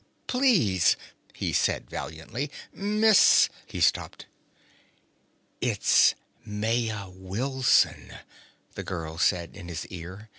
"Please," he said valiantly. "Miss " He stopped. "I'm Maya Wilson," the girl said in his ear.